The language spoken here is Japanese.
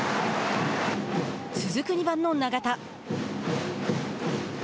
続く２番の長田。